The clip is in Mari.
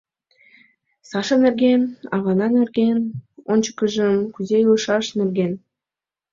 — Саша нерген... авана нерген... ончыкыжым кузе илышаш нерген.